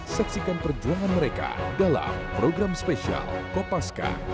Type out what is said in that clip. saksikan perjuangan mereka dalam program spesial kopaska